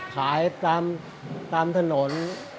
ขายตามถนน